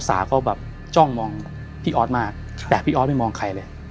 สาวเขาแบบจ้องมองพี่ออสมากแต่พี่ออสไม่มองใครเลย